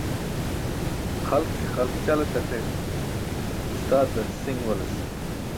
Xalk ke xalk ćal etaṭe ustaatar si̇ṅ walas.